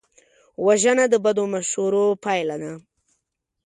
وژنه د بدو مشورو پایله ده